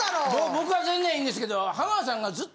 僕は全然いいんですけど。